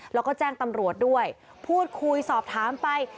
แล้วก็แจ้งตำรวจด้วยพูดคุยสอบถามไป